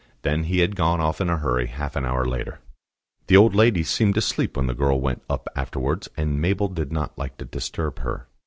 Then he had gone of in a hurry half an hour later. The old lady seemed asleep when the girl went up afterwards, and Mabel did not like to disturb her.